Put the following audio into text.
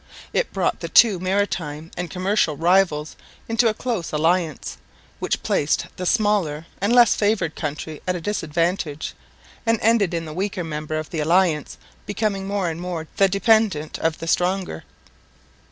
It brought the two maritime and commercial rivals into a close alliance, which placed the smaller and less favoured country at a disadvantage, and ended in the weaker member of the alliance becoming more and more the dependent of the stronger.